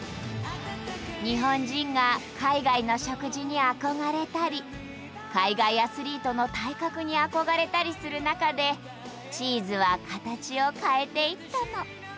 日本人が海外の食事に憧れたり海外アスリートの体格に憧れたりする中でチーズはカタチを変えていったの。